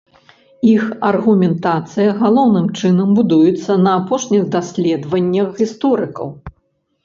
Іх аргументацыя галоўным чынам будуецца на апошніх даследаваннях гісторыкаў.